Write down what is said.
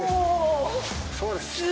そうです。